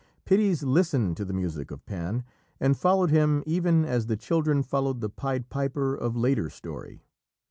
Pitys listened to the music of Pan, and followed him even as the children followed the Pied Piper of later story.